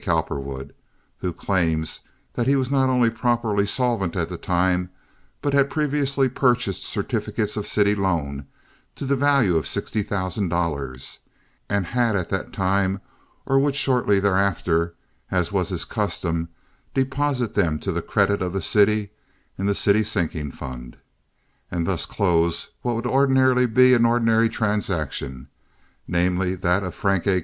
Cowperwood, who claims that he was not only properly solvent at the time, but had previously purchased certificates of city loan to the value of sixty thousand dollars, and had at that time or would shortly thereafter, as was his custom, deposit them to the credit of the city in the city sinking fund, and thus close what would ordinarily be an ordinary transaction—namely, that of Frank A.